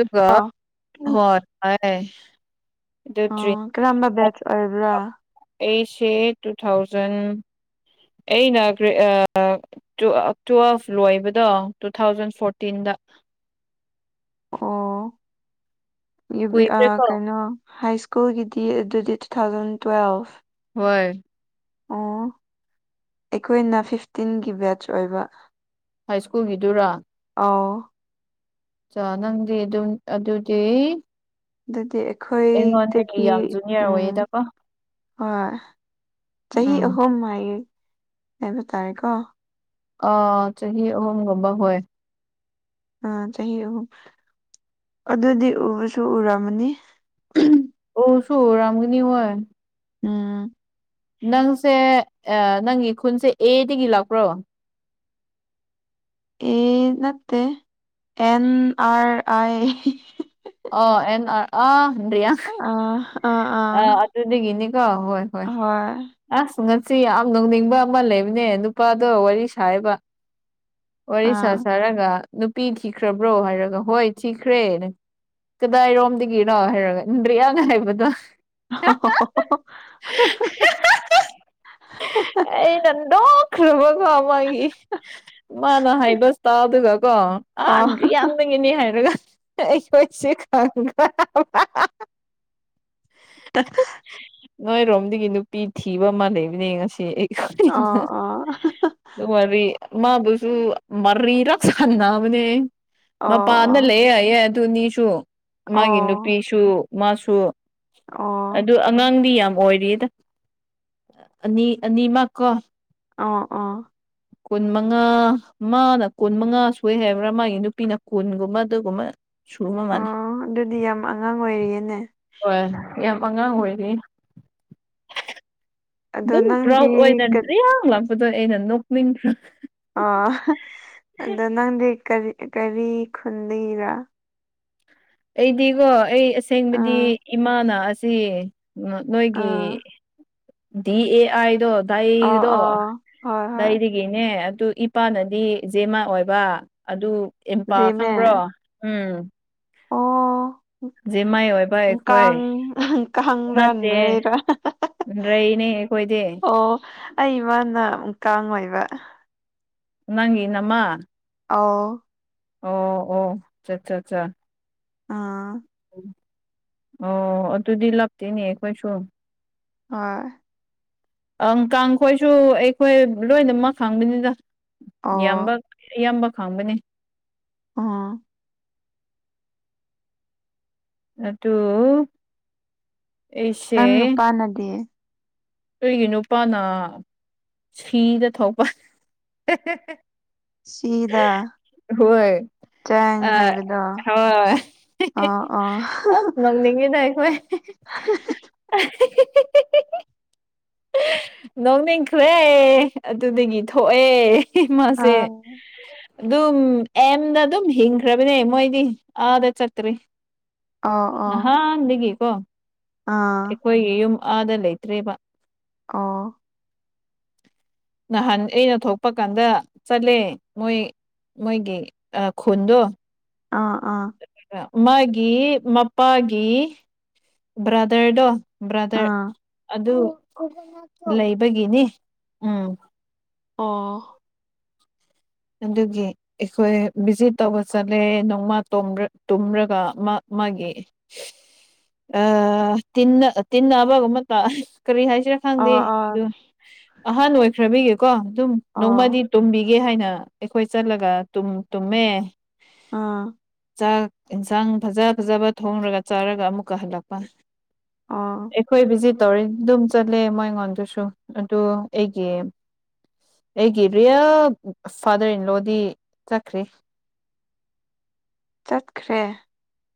ꯑꯗꯨꯒ ꯑꯣ ꯍꯣꯏ ꯍ ꯑꯗꯨ ꯇ꯭ꯇꯤ ꯑꯣ ꯀꯔꯝꯕ ꯕꯦꯠꯆ ꯑꯣꯏꯕ꯭ꯔꯥ ꯑꯩꯠꯁꯦ ꯇꯨ ꯊꯥꯎꯖꯟ ꯑꯩꯩꯅ ꯀꯔꯤ ꯑ ꯇꯨꯋꯦꯜꯐ ꯂꯣꯏꯕꯗꯣ ꯇꯨ ꯊꯥꯎꯖꯟ ꯐꯣꯔꯇꯤꯟꯗ ꯑꯣ ꯑ ꯀꯨꯏꯈ꯭ꯔꯦꯀꯣ ꯀꯩꯅꯣ ꯍꯥꯏ ꯁ꯭ꯀꯨꯜꯒꯤꯗꯤ ꯑꯗꯨꯗꯤ ꯇꯨ ꯊꯥꯎꯖꯟ ꯇꯨꯋꯦꯜꯐ ꯍꯣꯏ ꯑꯣ ꯑꯩꯈꯣꯏꯅ ꯐꯤꯐꯇꯤꯟꯒꯤ ꯕꯦꯠꯆ ꯑꯣꯏꯕ ꯍꯥꯏ ꯁ꯭ꯀꯨꯜꯒꯤꯗꯨꯔꯥ ꯑꯥꯎ ꯅꯪꯗꯤ ꯑꯗꯨꯝ ꯑꯗꯨꯗꯤ ꯑꯗꯨꯗꯤ ꯑꯩꯉꯣꯟꯗꯒꯤ ꯑꯩꯈꯣꯏꯗꯒꯤ ꯌꯥꯝ ꯖꯨꯅꯤꯌꯔ ꯎꯝ ꯑꯣꯏꯌꯦꯗꯀꯣ ꯍꯣꯏ ꯆꯍꯤ ꯎꯝ ꯑꯍꯨꯝ ꯃ ꯍꯥꯏꯕ ꯇꯥꯔꯦꯀꯣ ꯑ ꯆꯍꯤ ꯑꯍꯨꯝꯒꯕ ꯍꯣꯏ ꯑ ꯆꯍꯤ ꯑꯍꯨꯝ ꯑꯗꯨꯗꯤ ꯎꯕꯁꯨ ꯎꯔꯝꯃꯅꯤ ꯑꯣ ꯁꯨ ꯔꯝꯒꯅꯤ ꯑꯣꯏꯣꯏ ꯎꯝ ꯅꯪꯁꯦ ꯅꯪꯒꯤ ꯈꯨꯟꯁꯦ ꯑꯦꯗꯒꯤ ꯂꯥꯛꯄ꯭ꯔꯣ ꯏ ꯅꯠꯇ and R I O and ꯑ ꯅꯟꯌꯥ ꯎꯝ ꯑꯥ ꯑꯗꯨꯗꯒꯤꯅꯤꯀꯣ ꯍꯣꯏ ꯍꯣꯏ ꯑꯁ ꯉꯁꯤ ꯌꯥꯝ ꯅꯧꯅꯤꯡꯕ ꯑꯃ ꯂꯩꯕꯅꯦ ꯅꯨꯄꯥꯗꯣ ꯋꯥꯔꯤ ꯁꯥꯏꯕ ꯋꯥꯔꯤ ꯁꯥ ꯑꯥ ꯁꯥꯔꯒ ꯅꯨꯄꯤ ꯊꯤꯈ꯭ꯔꯕ꯭ꯔꯣ ꯍꯥꯏꯔꯒ ꯍꯣꯏ ꯊꯤꯈ꯭ꯔꯦ ꯀꯗꯥꯏꯔꯣꯝꯗꯒꯤꯅꯣ ꯍꯥꯏꯔꯒꯗ꯭ꯔꯦꯌꯥ ꯍꯥꯏꯕꯗꯣ ꯑꯣ ꯑꯩ ꯅꯟꯗ ꯈꯕ ꯀꯃꯒꯤ ꯃꯥꯅ ꯍꯥꯏꯕꯁ ꯇ ꯑꯗꯨꯒꯒ ꯀꯣꯗ꯭ꯔꯤ ꯈꯪꯅꯤꯡꯉꯤꯅꯤ ꯍꯥꯏꯔꯒ ꯑꯩꯈꯣꯏꯁꯦ ꯈꯪꯕ꯭ꯔ ꯇ ꯅꯣꯏꯔꯣꯝꯗꯒꯤ ꯅꯨꯄꯤ ꯊꯤꯕ ꯑꯃ ꯂꯩꯕꯅꯦ ꯉꯁꯤ ꯑꯣ ꯑꯣ ꯃꯔꯤ ꯃꯥꯕꯨꯁꯨ ꯃꯔꯤ ꯔ ꯈꯅꯥ ꯑꯃꯅꯦ ꯃꯄꯥꯅ ꯂꯩꯌꯦꯦ ꯌꯥꯌꯦ ꯑꯗꯨꯅꯤꯁꯨ ꯃꯥꯒꯤ ꯑꯣ ꯅꯨꯄꯤꯁꯨ ꯃꯥꯁꯨ ꯑꯗꯨ ꯑꯣ ꯑꯉꯥꯡꯗꯤ ꯌꯥꯝ ꯑꯣꯏꯔꯤꯗ ꯑꯅꯤ ꯑꯅꯤꯃꯛ ꯀꯣ ꯑꯣ ꯑꯣ ꯀꯨꯟ ꯃꯉꯥ ꯃꯥꯅ ꯀꯨꯟ ꯃꯉꯥ ꯁꯣꯏ ꯍꯥꯏꯕ꯭ꯔꯥ ꯃꯥꯒꯤ ꯅꯨꯄꯤꯅ ꯀꯨꯟꯒꯨꯝꯕ ꯑꯗꯨꯒꯨꯝꯕ ꯁꯨꯔꯃ ꯃꯥꯅꯤ ꯑꯗꯨꯗꯤ ꯌꯥꯝ ꯑꯉꯥꯡ ꯑꯣꯏꯔꯤꯌꯦꯅꯦ ꯍꯣꯏ ꯌꯥꯝ ꯑꯉꯥꯡ ꯑꯣꯏꯔꯤ ꯑꯗꯣ ꯑꯗꯨꯝ ꯅꯪꯗꯤ ꯄ꯭ꯔꯥꯎꯠ ꯑꯣꯏꯅꯗꯦꯍ ꯂꯥꯛꯄꯗꯣ ꯑꯩꯅ ꯅꯣꯛꯅꯤꯡꯕ꯭ꯔꯥ ꯑꯣ ꯑꯗꯣ ꯅꯪꯗꯤ ꯀꯔꯤ ꯀꯔꯤ ꯈꯨꯟꯜꯂꯤꯔꯥ ꯑꯩꯗꯤꯀꯣ ꯑꯩ ꯑꯁꯦꯡꯕꯗꯤ ꯑꯥ ꯏꯃꯥꯅ ꯑꯁꯤ ꯅꯣꯏꯒꯤ ꯑꯥ ꯗꯤ ꯑꯦ ꯑꯥꯏꯗꯣ ꯑꯣ ꯗꯩꯒꯤꯗꯣ ꯑꯣ ꯍꯣꯏ ꯍꯣꯏ ꯗꯩꯗꯤ ꯒꯤꯅꯦ ꯑꯗꯨ ꯏꯄꯥꯅꯗꯤ ꯖꯦꯃ ꯑꯣꯏꯕ ꯑꯗꯨ ꯑꯝꯄꯥ ꯖꯦꯃꯦ ꯈꯪꯕ꯭ꯔꯣ ꯎꯝ ꯑꯣ ꯖꯃꯥꯏ ꯑꯣꯏꯕ ꯑꯩꯈꯣꯏ ꯀꯥꯡ ꯀꯥꯡꯔꯥ ꯅꯠꯇꯦ ꯅꯣꯏꯔꯥ ꯭ꯔ ꯏꯅꯦ ꯀꯣꯏꯗꯦ ꯑꯩꯃꯅ ꯀꯥꯡꯉꯣꯏꯕ ꯅꯪꯤ ꯅꯃ ꯑꯥꯎ ꯑꯣ ꯑꯣꯠ ꯆꯠꯆꯥ ꯑꯥ ꯎ ꯑꯣ ꯑꯗꯨꯗꯤ ꯂꯞꯇꯦꯅꯦ ꯑꯩꯈꯣꯏꯁꯨ ꯍ ꯑꯪ ꯀꯥꯡꯈꯣꯏꯁꯨ ꯑꯩꯈꯣꯏ ꯂꯣꯏꯅꯃꯛ ꯈꯥꯡꯕꯅꯤꯗ ꯑꯣ ꯏꯌꯥꯝꯕ ꯏꯌꯥꯝꯕ ꯈꯥꯡꯕꯅꯦ ꯑꯥ ꯑꯗꯨꯠꯇꯣ ꯅꯪ ꯄ ꯅꯗꯤꯦ ꯑꯩꯒꯤ ꯅꯨꯄꯥꯅ ꯁꯤꯗ ꯊꯣꯛꯄ ꯁꯤꯤꯗꯥ ꯍꯣꯏ ꯑ ꯍꯣꯏ ꯑꯣ ꯑꯣ ꯑꯁ ꯅꯧꯅꯤꯡꯉꯤꯅ ꯑꯩꯈꯣꯏ [unintelligible] [inaudible] ꯅꯣꯡꯅꯤꯡꯈꯂꯦ ꯑꯗꯨꯗꯒꯤ ꯊꯣꯛꯑꯦ ꯑ ꯍꯃꯁꯦ ꯑꯗꯨꯝ ꯑꯦꯝꯗ ꯑꯗꯨꯝ ꯍꯤꯡꯈ꯭ꯔꯕꯅꯦ ꯃꯣꯏꯗꯤ ꯑꯥꯗ ꯆꯠꯇ꯭ꯔꯤ ꯑꯣ ꯍ ꯑꯣ ꯂꯩꯒ ꯀꯣ ꯑꯥ ꯑꯩꯈꯣꯏꯒꯤ ꯌꯨꯝ ꯑꯥꯗ ꯂꯩꯇ꯭ꯦꯔꯤꯕ ꯑꯥ ꯅꯍꯥꯟ ꯑꯩꯅ ꯊꯣꯛꯄ ꯀꯥꯟꯗ ꯆꯠꯂꯦ ꯃꯣꯏ ꯃꯣꯏꯒꯤ ꯈꯨꯟꯗꯣ ꯑ ꯑꯥ ꯃꯥꯒꯤ ꯃꯄꯥꯒꯤ ꯕ꯭ꯔꯗꯔꯗꯣ ꯕ꯭ꯔꯥꯗꯔ ꯑꯥ ꯑꯗꯨ ꯂꯩꯕꯒꯤꯅꯤ ꯎꯝ ꯑꯥ ꯑꯗꯨꯒꯤ ꯑꯩꯈꯣꯏ ꯚꯤꯖꯤꯠ ꯇꯧꯕ ꯆꯠꯂꯦ ꯅꯣꯡꯃ ꯇꯨꯝꯔꯒ ꯃꯥ ꯃꯥꯒꯤ ꯑ ꯇꯤꯟꯅ ꯇꯤꯟꯅ ꯑꯕꯒ ꯑꯃ ꯀꯔꯤ ꯍꯥꯏꯁꯤꯔꯦ ꯈꯪꯗꯦ ꯑꯥ ꯑꯗꯨ ꯑꯍꯥꯟ ꯑꯣꯏꯈ꯭ꯔꯕꯤꯒꯦꯀꯣ ꯑꯗꯨꯝ ꯑꯥ ꯑꯣ ꯅꯣꯡꯃꯗꯤ ꯇꯨꯝꯕꯤꯒꯦ ꯍꯥꯏꯅ ꯑꯩꯈꯣꯏ ꯆꯠꯂꯒ ꯇꯨꯝꯃꯦ ꯑꯥ ꯆꯥꯛ ꯏꯟꯁꯥꯡ ꯐꯖ ꯐꯖꯕ ꯊꯣꯡꯔꯒ ꯆꯥꯔꯒ ꯑꯃꯨꯛꯀ ꯍꯜꯂꯛꯄ ꯑꯥ ꯑꯩꯈꯣꯏ ꯚꯤꯖꯤꯠ ꯇꯧꯔꯤ ꯑꯗꯨꯝ ꯆꯠꯂꯦ ꯃꯣꯏ ꯑꯩꯉꯣꯟꯗꯨꯁꯨ ꯑꯗꯨ ꯑꯩꯒꯤ ꯑꯩꯒꯤ ꯔꯤꯌꯥꯜ ꯐꯥꯗꯔ ꯏꯟ ꯂꯣꯗꯤ ꯆꯠꯈ꯭ꯔꯦ ꯆꯠꯈ꯭ꯔꯦ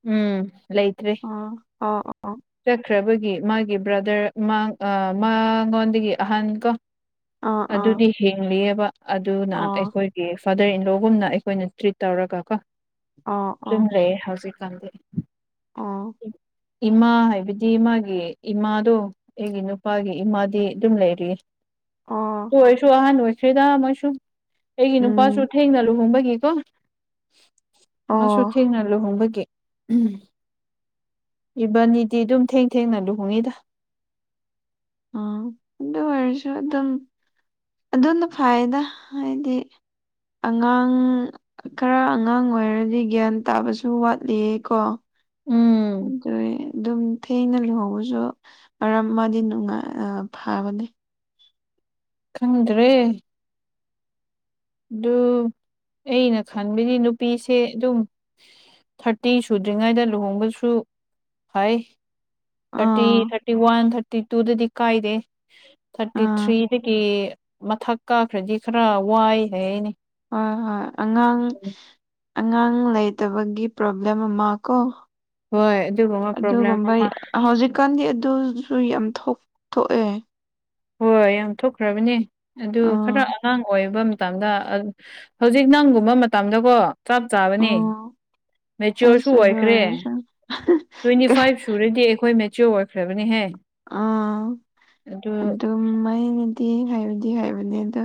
ꯎꯝ ꯂꯩꯇ꯭ꯔꯦ ꯑꯣ ꯑꯣ ꯑꯣ ꯆꯠꯈ꯭ꯔꯕꯒꯤ ꯃꯥꯒꯤ ꯕ꯭ꯔꯗꯔ ꯃꯥ ꯃꯉꯣꯟꯗꯒꯤ ꯑꯍꯟ ꯀꯣ ꯑꯥ ꯑꯥ ꯑꯗꯨꯗꯤ ꯍꯤꯡꯂꯤꯑꯕ ꯑꯗꯨꯅ ꯑꯣ ꯑꯩꯈꯣꯏ ꯐꯥꯗꯔ ꯏꯟꯂꯣꯒꯨꯝꯅ ꯑꯩꯈꯣꯏꯅ ꯇ꯭ꯔꯤꯠ ꯇꯧꯔꯒ ꯀꯣ ꯑꯣ ꯑꯗꯨꯝ ꯑꯣ ꯂꯩꯌꯦ ꯍꯧꯖꯤꯛ ꯇꯜꯂꯦ ꯑꯣ ꯏꯃꯥ ꯍꯥꯏꯕꯗꯤ ꯃꯥꯒꯤ ꯏꯃꯥꯗꯣ ꯑꯩꯒꯤ ꯅꯨꯄꯥꯒꯤ ꯏꯃꯥꯗꯤ ꯑꯗꯨꯝ ꯂꯩꯔꯤ ꯇꯨ ꯑꯣ ꯑꯣꯏꯁꯨ ꯑꯍꯥꯟ ꯑꯣꯏꯣꯏꯁꯔꯤꯗꯣꯏꯁꯨ ꯑꯩꯒꯤ ꯅꯨꯄꯥꯁꯨ ꯎꯝ ꯊꯦꯡꯅ ꯂꯨꯍꯣꯡꯕꯒꯤꯀꯣ ꯃꯥꯁꯨ ꯑꯣ ꯊꯦꯡꯅ ꯂꯨꯍꯣꯡꯕꯒꯤ ꯎꯝ ꯏꯕꯥꯅꯤꯗꯤ ꯑꯗꯨꯝ ꯊꯦꯡ ꯊꯦꯡꯅ ꯂꯨꯍꯣꯡꯉꯤꯗ ꯑꯣ ꯑꯗꯨ ꯑꯣꯏꯔꯁꯨ ꯑꯗꯨꯝ ꯑꯗꯨꯝꯅ ꯐꯥꯏꯅ ꯍꯥꯏꯗꯤ ꯑꯉꯥꯡ ꯈꯔ ꯑꯉꯥꯡ ꯑꯣꯏꯔꯗꯤ ꯒ꯭ꯌꯥꯟ ꯇꯥꯕꯁꯨ ꯋꯥꯠꯂꯤꯌꯦ ꯀꯣ ꯎꯝ ꯈꯪꯗ꯭ꯔꯦ ꯑꯗꯨꯝ ꯊꯦꯡꯅ ꯂꯨꯍꯣꯡꯉꯁꯨ ꯃꯔꯝ ꯃꯔꯛ ꯑꯃꯗꯤ ꯐꯥꯕꯅꯤ ꯈꯪꯗ꯭ꯔꯔꯤ ꯑꯗꯨ ꯑꯩꯅ ꯈꯟꯕꯗꯤ ꯅꯨꯄꯤꯁꯦ ꯑꯗꯨꯝ ꯊꯥꯔꯇꯤ ꯁꯨꯗ꯭ꯔꯤꯉꯩꯗ ꯂꯨꯍꯣꯡꯕꯁꯨ ꯐꯩ ꯊꯔꯇ ꯑꯥ ꯊꯔꯇ ꯋꯥꯟ ꯊꯔꯇ ꯇꯨꯗꯀꯥꯏꯗ ꯊꯥꯔꯇꯤ ꯑꯥ ꯊ꯭ꯔꯤꯗꯒꯤ ꯃꯊꯛ ꯀꯥꯈ꯭ꯔꯗꯤ ꯈꯔ ꯋꯥꯏ ꯍꯥꯏꯅꯦ ꯍꯣꯏ ꯍꯣꯏ ꯑꯉꯥꯡ ꯑꯉꯥꯡ ꯂꯩꯇꯕꯒꯤ ꯄ꯭ꯔꯣꯕ꯭ꯂꯦꯝ ꯑꯃ ꯀꯣ ꯍꯣꯏ ꯑꯗꯨꯒꯨꯝꯕ ꯄ꯭ꯔꯣꯕ꯭ꯂꯦꯝ ꯑꯗꯨꯒꯨꯝꯕ ꯑꯃ ꯍꯧꯖꯤꯛꯀꯥꯟꯗꯤ ꯑꯗꯨꯁꯨ ꯌꯥꯝ ꯊꯣꯛ ꯊꯣꯛꯑꯦ ꯍꯣꯏ ꯌꯥꯝ ꯊꯣꯛꯈ꯭ꯔꯕꯅꯤ ꯑꯗꯨ ꯈꯔ ꯑꯥ ꯑꯉꯥꯡ ꯑꯣꯏꯕ ꯃꯇꯝꯗ ꯍꯧꯖꯤꯛ ꯅꯪꯒꯨꯝꯕ ꯃꯇꯝꯗꯀꯣ ꯆꯞ ꯆꯥꯕꯅꯤ ꯑꯥ ꯃꯦꯆꯤꯌꯣꯔꯁꯨ ꯑꯁ ꯑꯗꯨ ꯑꯣꯏꯈ꯭ꯔꯦ ꯑꯣꯏꯔꯁꯨ ꯇ꯭ꯋꯦꯟꯇꯤ ꯐꯥꯏꯚꯁꯨ ꯁꯨꯔꯗꯤ ꯑꯩꯈꯣꯏ ꯃꯦꯆꯌꯣꯔ ꯑꯣꯏꯈ꯭ꯔꯕꯅꯤꯍꯦ ꯑꯥ ꯑꯗꯨ ꯑꯗꯨꯝ ꯑꯩꯅꯗꯤ ꯍꯥꯏꯕꯗꯤ ꯍꯥꯏꯕꯅꯦ ꯑꯗꯣ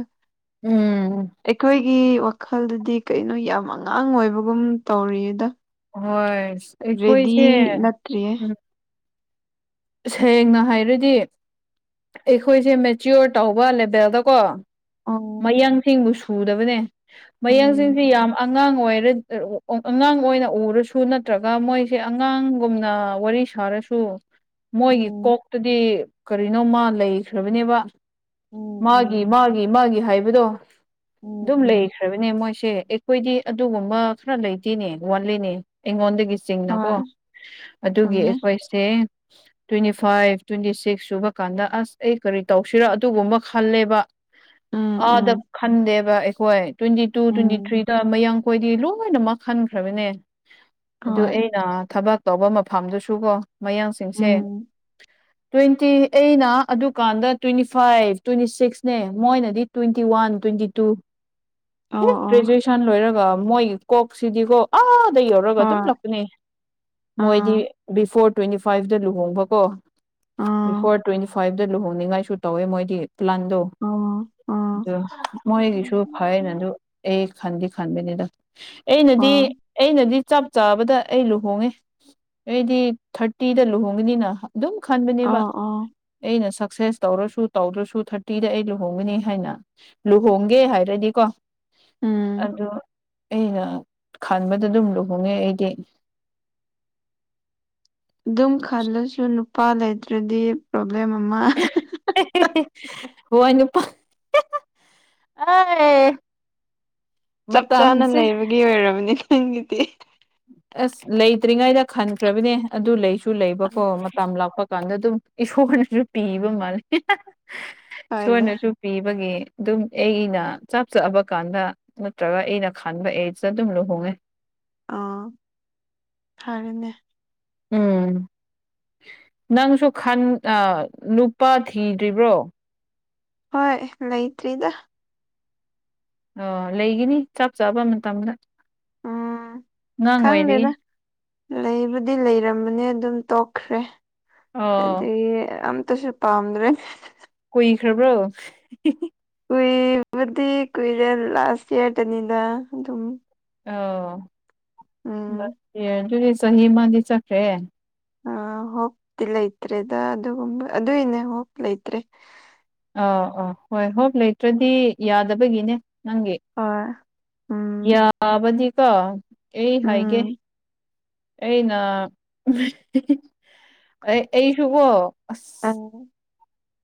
ꯎꯝ [inaudible] ꯑꯩꯈꯣꯏ ꯒꯤ ꯋꯥꯈꯜꯗꯨꯗꯤ ꯀꯩꯅꯣ ꯌꯥꯝ ꯑꯉꯥꯡ ꯑꯣꯏꯕꯒꯨꯝ ꯇꯧꯔꯤꯌꯦꯗ ꯍꯣꯏ ꯔꯦꯗꯤ ꯑꯩꯈꯣꯏꯁꯦ ꯅꯠꯇ꯭ꯔꯤꯌꯦ ꯎꯝ ꯁꯦꯡꯅ ꯍꯥꯏꯔꯗꯤ ꯑꯩꯈꯣꯏꯁꯦ ꯃꯦꯆꯤꯌꯣꯔ ꯇꯧꯕ ꯂꯦꯕꯦꯜꯗꯀꯣ ꯎꯝ ꯃꯌꯥꯡꯁꯤꯡꯕꯨ ꯁꯨꯗꯕꯅꯦ ꯎꯝ ꯃꯌꯥꯡꯁꯤꯡꯁꯤ ꯌꯥꯝ ꯑꯉꯥꯡ ꯑꯣꯏꯔ ꯑꯉꯥꯡ ꯑꯣꯏꯅ ꯎꯔꯁꯨ ꯅꯠꯇ꯭ꯔꯒ ꯃꯣꯏꯁꯦ ꯑꯉꯥꯡꯒꯨꯝꯅ ꯋꯥꯔꯤ ꯁꯥꯔꯁꯨ ꯃꯣꯏꯒꯤ ꯎꯝ ꯀꯣꯛꯇꯨꯗꯤ ꯀꯔꯤꯅꯣꯃ ꯂꯩꯈ꯭ꯔꯕꯅꯦꯕ ꯎꯝ ꯃꯥꯒꯤ ꯎꯝ ꯃꯥꯒꯤ ꯃꯥꯒꯤ ꯍꯥꯏꯕꯗꯣ ꯎꯝ ꯑꯗꯨꯝ ꯎꯝ ꯂꯩꯈ꯭ꯔꯕꯅꯦ ꯃꯣꯏꯁꯦ ꯑꯩꯈꯣꯏꯗꯤ ꯑꯗꯨꯒꯨꯝꯕ ꯈꯔ ꯂꯩꯇꯦꯅꯦ ꯋꯥꯠꯂꯤꯅꯦ ꯑꯩꯉꯣꯟꯗꯒꯤ ꯆꯤꯡꯅꯀꯣ ꯍꯣꯏ ꯑꯗꯨꯒꯤ ꯆꯨꯝꯃꯦ ꯑꯩꯈꯣꯏꯁꯦ ꯇꯣꯏꯇꯤ ꯐꯥꯏꯐ ꯇꯣꯏꯇꯤ ꯁꯤꯛꯁ ꯁꯨꯕ ꯀꯥꯟꯗ ꯑꯁ ꯑꯩ ꯀꯔꯤ ꯇꯧꯁꯤꯔꯥ ꯑꯗꯨꯒꯨꯝꯕ ꯈꯜꯂꯦꯕ ꯎꯝ ꯎꯝ ꯑꯥꯗ ꯈꯟꯗꯦꯕ ꯑꯩꯈꯣꯏ ꯇ꯭ꯋꯦꯟꯇꯤ ꯇꯨ ꯇ꯭ꯋꯦꯟꯇꯤ ꯎꯝ ꯊ꯭ꯔꯤꯗ ꯃꯌꯥꯡ ꯑꯩꯈꯣꯏꯗꯤ ꯂꯣꯏꯅꯃꯛ ꯈꯟꯈ꯭ꯔꯕꯅꯦ ꯑꯗꯨ ꯍꯣꯏ ꯑꯩꯅ ꯊꯕꯛ ꯇꯧꯕ ꯃꯐꯝꯗꯨꯁꯨ ꯀꯣ ꯃꯌꯥꯡꯁꯤꯡꯁꯦ ꯎꯝ ꯇ꯭ꯋꯦꯟꯇꯤ ꯑꯩꯅ ꯑꯗꯨꯀꯥꯟꯗ ꯇ꯭ꯋꯦꯟꯇꯤ ꯐꯥꯏꯚ ꯇ꯭ꯋꯦꯟꯇꯤ ꯁꯤꯛꯁꯅꯦ ꯃꯣꯏꯅꯗꯤ ꯇ꯭ꯋꯦꯟꯇꯤ ꯋꯥꯟ ꯇ꯭ꯋꯦꯟꯇꯤ ꯇꯨ ꯍꯦ ꯑꯣ ꯑꯣ ꯒ꯭ꯔꯦꯖꯨꯑꯦꯁꯟ ꯂꯣꯏꯔꯒ ꯃꯣꯏ ꯀꯣꯛꯁꯤꯗꯤꯀꯣ ꯑꯥꯗ ꯌꯧꯔꯒ ꯑꯗꯨꯝ ꯍꯣꯏ ꯂꯄꯅꯦ ꯃꯣꯏꯗꯤ ꯑꯥ ꯕꯤꯐꯣꯔ ꯇ꯭ꯋꯦꯟꯇꯤ ꯐꯥꯏꯚꯇ ꯂꯨꯍꯣꯡꯕ ꯀꯣ ꯑꯥ ꯕꯤꯐꯣꯔ ꯇ꯭ꯋꯦꯟꯇꯤ ꯐꯥꯏꯚꯇ ꯂꯨꯍꯣꯡꯅꯤꯡꯉꯥꯏꯁꯨ ꯇꯧꯋꯦ ꯃꯣꯏꯗꯤ ꯄ꯭ꯂꯥꯟꯗꯣ ꯑꯣ ꯑꯗꯨ ꯃꯣꯏꯒꯤꯁꯨ ꯐꯩꯅ ꯑꯗꯨ ꯑꯩ ꯈꯟꯗꯤ ꯈꯟꯕꯅꯤꯗ ꯑꯩꯅꯗꯤ ꯑꯩꯅꯗꯤ ꯆꯞ ꯆꯥꯕꯗ ꯑꯩ ꯂꯨꯍꯣꯡꯉꯦ ꯑꯩꯗꯤ ꯊꯥꯔꯇꯤꯗ ꯂꯨꯍꯣꯡꯒꯅꯤꯅ ꯑꯗꯨꯝ ꯈꯟꯕꯅꯦꯕ ꯑꯣ ꯑꯣ ꯑꯩꯅ ꯁꯛꯁꯦꯁ ꯇꯧꯔꯁꯨ ꯇꯧꯗ꯭ꯔꯁꯨ ꯊꯥꯔꯇꯤꯗ ꯑꯩ ꯂꯨꯍꯣꯡꯒꯅꯤ ꯍꯥꯏꯅ ꯂꯨꯍꯣꯡꯒꯦ ꯍꯥꯏꯔꯗꯤꯀꯣ ꯎꯝ ꯑꯗꯨ ꯑꯩꯅ ꯈꯕꯗ ꯑꯗꯨꯝ ꯂꯨꯍꯣꯡꯉꯦ ꯑꯩꯒꯤ ꯑꯗꯨꯝ ꯈꯜꯂꯁꯨ ꯅꯨꯄꯥ ꯂꯩꯇ꯭ꯔꯗꯤ ꯄ꯭ꯔꯣꯕ꯭ꯂꯦꯝ ꯑꯃ ꯍꯦ ꯍꯦ ꯍꯣ ꯋꯣꯢ ꯅꯨꯄꯥ ꯑꯥꯏ ꯆꯞ ꯆꯥꯅ ꯂꯩꯕꯒꯤ ꯑꯣꯏꯔꯕꯅꯤ ꯅꯪꯒꯤꯗꯤ ꯑꯁ ꯂꯩꯇ꯭ꯔꯤꯉꯩꯗ ꯈꯟꯈ꯭ꯔꯕꯅꯦ ꯑꯗꯨ ꯂꯩꯁꯨ ꯂꯩꯕꯀꯣ ꯇꯝ ꯂꯥꯛꯄ ꯀꯥꯟꯗ ꯑꯗꯨꯝ ꯏꯁꯣꯔꯅꯁꯨ ꯄꯤꯕ ꯃꯥꯂꯦ ꯍꯣꯏꯗ ꯏꯁꯣꯔꯅꯁꯨ ꯄꯤꯕꯒꯤ ꯑꯗꯨꯝ ꯑꯩꯅ ꯆꯞ ꯆꯥꯕ ꯀꯥꯟꯗ ꯅꯠꯇ꯭ꯔꯒ ꯑꯩꯅ ꯈꯟꯕ ꯑꯦꯁꯇ ꯑꯗꯨꯝ ꯂꯨꯍꯣꯡꯉꯦ ꯑ ꯐꯔꯦꯅꯦ ꯎꯝ ꯅꯪꯁꯨ ꯅꯨꯄꯥ ꯊꯤꯗ꯭ꯔꯤꯕ꯭ꯔꯣ ꯍꯣꯏ ꯂꯩꯇ꯭ꯔꯤꯗ ꯑ ꯂꯩꯒꯅꯤ ꯆꯞ ꯆꯥꯕ ꯃꯇꯝꯗ ꯑꯉꯥꯡ ꯑꯣꯏꯔꯤ ꯈꯪꯗꯦꯅ ꯂꯩꯕꯨꯗꯤ ꯂꯩꯔꯝꯕꯅꯦ ꯑꯗꯨꯝ ꯇꯣꯛꯈ꯭ꯔꯦ ꯑꯣ ꯑꯗꯨꯗꯤ ꯑꯇꯁꯨ ꯄꯥꯝꯗ꯭ꯔꯦ ꯀꯨꯏꯈ꯭ꯔꯥꯕ꯭ꯔꯣ ꯍꯤ ꯍꯤ ꯀꯨꯏꯕꯗꯤ ꯀꯨꯏꯔꯦ ꯂꯥꯁ ꯏꯌꯥꯔꯗꯅꯤꯅ ꯑꯗꯨꯝ ꯑ ꯎꯝ ꯑꯗꯨꯗꯤ ꯆꯍꯤ ꯑꯃꯗꯤ ꯆꯠꯈ꯭ꯔꯦ ꯑ ꯍꯇꯤ ꯂꯩꯇ꯭ꯔꯦꯗ ꯑꯗꯨꯒꯨꯝꯕ ꯑꯗꯨꯏꯅꯦ ꯍ ꯂꯩꯇ꯭ꯔꯦ ꯑꯥ ꯑꯥ ꯍꯣꯏ ꯍꯣꯞ ꯂꯩꯇ꯭ꯔꯗꯤ ꯌꯥꯗꯕꯒꯤꯅꯦ ꯅꯪꯒꯤ ꯍꯣꯏ ꯎꯝ ꯇꯥꯕꯗꯤꯀꯣ ꯑꯩ ꯍꯥꯏꯒꯦ ꯎꯝ ꯑꯩꯅ ꯑꯩꯁꯨꯀꯣ ꯑꯁ [unintelligible]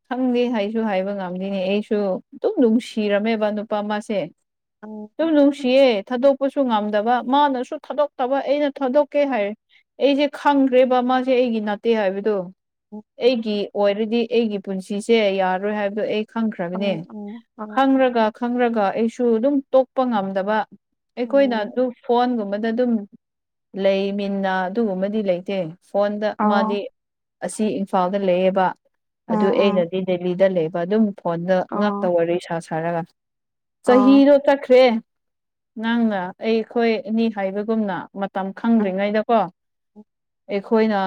ꯈꯪꯗꯦ ꯍꯥꯏꯁꯨ ꯍꯥꯏꯕ ꯉꯝꯗꯦꯅꯦ ꯑꯩꯁꯨ ꯑꯗꯨꯝ ꯅꯨꯡꯁꯤꯔꯝꯃꯦꯕ ꯅꯨꯄꯥ ꯑꯃꯁꯦ ꯎꯝ ꯇꯨꯝꯅꯨ ꯁꯤꯌꯦ ꯊꯥꯗꯣꯛꯄꯁꯨ ꯉꯝꯗꯕ ꯃꯥꯅꯁꯨ ꯊꯥꯗꯣꯛꯇꯕ ꯑꯩꯅ ꯊꯥꯗꯣꯛꯀꯦ ꯍꯥꯏꯔ ꯑꯩꯁꯦ ꯈꯪꯈ꯭ꯔꯦꯕ ꯃꯥꯁꯦ ꯑꯩꯒꯤ ꯠꯇꯦ ꯍꯥꯏꯕꯗꯣ ꯑꯩꯒꯤ ꯑꯣꯏꯔꯗꯤ ꯑꯩꯒꯤ ꯄꯨꯟꯁꯤꯁꯦ ꯌꯥꯔꯔꯣꯏ ꯍꯥꯏꯕꯗꯣ ꯑꯩ ꯈꯪꯈ꯭ꯔꯕꯅꯦ ꯎꯝ ꯎꯝ ꯎꯝ ꯈꯪꯔꯒ ꯈꯪꯔꯒ ꯑꯩꯁꯨ ꯑꯗꯨꯝ ꯇꯣꯛꯄ ꯉꯝꯗꯕ ꯑꯩꯈꯣꯏꯅ ꯎꯝ ꯑꯗꯨ ꯐꯣꯟꯒꯨꯝꯕꯗ ꯑꯗꯨꯝ ꯂꯩ ꯃꯤꯟꯅ ꯑꯗꯨꯒꯨꯝꯕꯗꯤ ꯂꯩꯇꯦ ꯐꯣꯟꯗ ꯃꯥꯗꯤ ꯑꯣ ꯑꯁꯤ ꯏꯝꯐꯥꯜꯗ ꯂꯩꯌꯦꯕ ꯎꯝ ꯎꯝ ꯗꯦꯂꯤꯗ ꯂꯩꯕ ꯑꯗꯨꯝ ꯐꯣꯟꯗ ꯉꯥꯛꯇ ꯑꯣ ꯋꯥꯔꯤ ꯁꯥ ꯁꯥꯔꯒ ꯑꯣ ꯆꯍꯤꯗꯣ ꯆꯠꯈ꯭ꯔꯦ ꯅꯪꯅ ꯑꯩꯈꯣꯏ ꯑꯅꯤ ꯍꯥꯏꯕꯒꯨꯝꯅ ꯃꯇꯝ ꯎꯝ ꯈꯪꯗ꯭ꯔꯤꯉꯩꯗꯀꯣ ꯑꯩꯈꯣꯏꯅ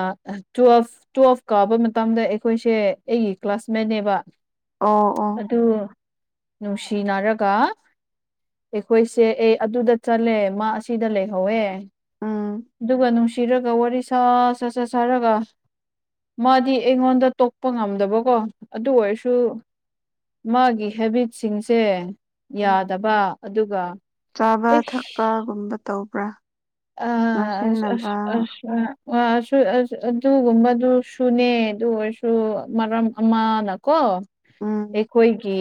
ꯇꯨꯋꯦꯜꯐ ꯇꯨꯋꯦꯜꯐ ꯀꯥꯎꯕ ꯃꯇꯝꯗ ꯑꯩꯈꯣꯏꯁꯦ ꯑꯩꯒꯤ ꯀ꯭ꯂꯥꯁꯃꯦꯠꯅꯦꯕ ꯑꯣ ꯑꯣ ꯑꯗꯨ ꯅꯨꯡꯁꯤꯅꯔꯒ ꯑꯩꯈꯣꯏꯁꯦ ꯑꯦ ꯑꯗꯨꯗ ꯆꯠꯂꯦ ꯃꯥ ꯑꯁꯤꯗ ꯂꯩꯍꯧꯋꯦ ꯎꯝ ꯑꯗꯨꯒ ꯅꯨꯡꯁꯤꯔꯒ ꯋꯥꯔꯤ ꯁꯥ ꯁ ꯁꯠ ꯁꯥꯔꯒ ꯃꯥꯗꯤ ꯑꯩꯉꯣꯟꯗ ꯇꯣꯛ ꯄ ꯉꯝꯗꯕꯀꯣ ꯑꯗꯨ ꯑꯣꯏꯔꯁꯨ ꯃꯥꯒꯤ ꯍꯦꯕꯤꯠꯁꯤꯡꯁꯦ ꯌꯥꯗꯕ ꯑꯗꯨꯒ ꯆꯥꯕ ꯏꯁ ꯊꯛꯄꯒꯨꯝꯕ ꯇꯧꯕ꯭ꯔꯥ ꯑ ꯑꯁ ꯉꯥꯎꯁꯤꯟꯅꯕ ꯑꯁ ꯑꯁ ꯑ [unintelligible] ꯑꯗꯨꯒꯨꯝꯕꯗꯨ ꯁꯨꯅꯦ ꯑꯗꯨ ꯑꯣꯏꯁꯨ ꯁꯨ ꯃꯔꯝ ꯑꯃꯅꯀꯣ ꯎꯝ ꯑꯩꯈꯣꯏꯒꯤ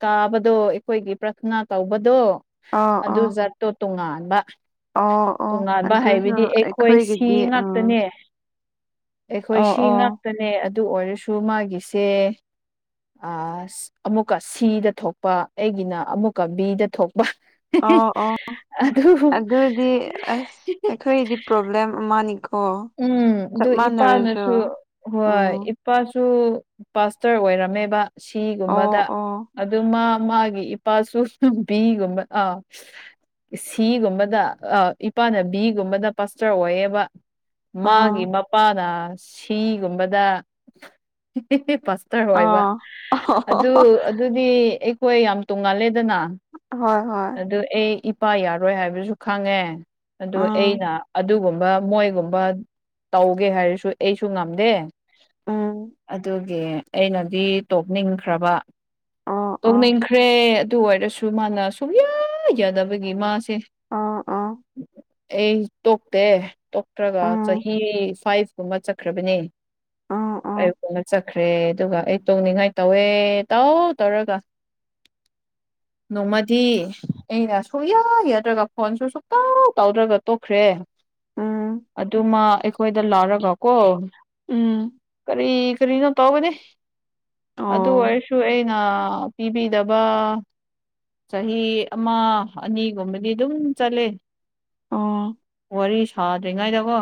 ꯇꯥꯕꯗꯣ ꯑꯩꯈꯣꯏꯒꯤ ꯄ꯭ꯔꯊꯅꯥ ꯇꯧꯕꯗꯣ ꯑꯣ ꯑꯗꯨ ꯑꯣ ꯇꯣ ꯇꯨꯡꯉꯥꯟꯕ ꯑꯣ ꯑꯣ ꯇꯣꯉꯥꯟꯕ ꯑꯗꯨꯁꯨ ꯍꯥꯏꯕꯗꯤ ꯑꯩꯈꯣꯏ ꯁꯤ ꯑꯩꯈꯣꯏꯒꯤꯗꯤ ꯑꯥ ꯉꯥꯛꯇꯅꯦ ꯑꯩꯈꯣꯏ ꯑꯣ ꯁꯤ ꯑꯣ ꯉꯥꯛꯇꯅꯦ ꯑꯗꯨ ꯑꫭꯏꯔꯁꯨ ꯃꯥꯒꯤꯁꯦ ꯑꯁ ꯧꯑꯃꯨꯛꯀ ꯁꯤꯗ ꯊꯣꯛꯄ ꯑꯩꯒꯤꯅꫡ ꯑꯃꯨꯛꯀ ꯕꯤꯗ ꯊꯣꯛꯄ ꯑꯣ ꯑꯣ ꯑꯗꯨ ꯄ꯭ꯔ‌ꯣꯕ꯭ꯂꯦꯝ ꯑꯃꯥꯅꯤꯛ ꯎꯝ ꯑꯗꯨ ꯏꯄꯥꯅꯁꯨ ꯍꯣꯏ ꯎꯝ ꯏꯄꯥꯁꯨ ꯄꯥꯁꯇꫪ ꯑꫭꯏꯔꯝꯃꯦꯕ ꯁꯤꯒꯨꯝꯕꯗ ꯑꯣ ꯑꯣ ꯑꯗꯨ ꯃꯥ ꯃꯥꯒꯤ ꯏꯄꯥꯁꯨ ꯅꯨꯕꯤꯒꯨꯝꯕ ꯑꯥ ꯁꯤꯒꯨꯝꯕꯗ ꯏꯄꯥꯅꯕꯤꯒꯨꯝꯕꯗ ꯄꯥꯁꯇꯔ ꯑꯣꯏꯌꯦꯕ ꯃꯥꯒꯤ ꯑꯥ ꯃꯄꯥꯅ ꯁꯤꯒꯨꯝꯕꯗ ꯗꯔ ꯑꯣꯏꯕ ꯑꯥ ꯑꯗꯨ ꯑꯗꯨꯗꯤ ꯑꯩꯈꯣꯏ ꯌꯥꯝ ꯇꯣꯡꯉꯥꯜꯂꯦꯗꯅ ꯍꯣꯏ ꯍꯣꯏ ꯑꯗꯨ ꯑꯩ ꯏ ꯄꯥ ꯌꯥꯔꯣꯏ ꯍꯥꯏꯕꯁꯨ ꯈꯪꯉꯦ ꯑꯗꯨ ꯎꯝ ꯑꯩꯅ ꯑꯗꯨꯒꯨꯝꯕ ꯃꯣꯏꯒꯨꯝꯕ ꯕ ꯇꯧꯕꯥꯒꯦ ꯍꯥꯏꯔꯁꯨ ꯑꯩꯁꯨ ꯉꯝꯗꯦ ꯎꯝ ꯑꯗꯨ ꯑꯩꯅꯗꯤ ꯇꯣꯛꯅꯤꯡꯈ꯭ꯔꯕ ꯑꯣ ꯑꯣ ꯇꯣꯛꯅꯤꯡꯈ꯭ꯔꯦ ꯑꯗꯨ ꯑꯣꯏꯔꯁꯨ ꯗꯨ ꯃꯥꯅ ꯁꯨꯡꯌꯥ ꯌꯥꯗꯕꯒꯤ ꯃꯥꯁꯦ ꯑꯣ ꯑꯣ ꯑꯩ ꯇꯣꯛꯇꯦ ꯈ꯭ꯔꯒ ꯎꯝ ꯆꯍꯤ ꯐꯥꯏꯚ ꯀꯨꯝꯕ ꯆꯠꯈ꯭ꯔꯕꯅꯦ ꯑꯣ ꯑꯣ ꯐꯥꯏꯚ ꯀꯨꯝꯕ ꯆꯠꯈ꯭ꯔꯦ ꯑꯗꯨꯒ ꯑꯩ ꯇꯣꯡꯅꯤꯡꯉꯥꯏ ꯇꯧꯋꯦ ꯇꯧ ꯇꯧꯔꯒ ꯅꯣꯡꯃꯗꯤ ꯑꯩꯅ ꯁꯨꯛꯌꯥ ꯌꯥꯗ꯭ꯔꯒ ꯐꯣꯟꯁꯨ ꯁꯨꯛꯇꯧ ꯇꯧꯗ꯭ꯔꯒ ꯇꯣꯛꯈ꯭ꯔꯦ ꯎꯝ ꯑꯗꯨꯃ ꯑꯩꯈꯣꯏꯗ ꯂꯥꯛꯔꯒ ꯀꯣ ꯎꯝ ꯀꯔꯤ ꯀꯔꯤꯅꯣ ꯇꯧꯒꯅꯤ ꯑꯗꯨ ꯑꯣ ꯑꯣꯏꯔꯁꯨ ꯑꯩꯅ ꯄꯤꯕꯤꯗꯕ ꯆꯍꯤ ꯑꯃ ꯑꯅꯤꯒꯨꯝꯕꯗꯤ ꯑꯗꯨꯝ ꯆꯠꯂꯦ ꯑꯣ ꯋꯥꯔꯤ ꯁꯥꯗ꯭ꯔꯤꯉꯥꯏꯗꯀꫭ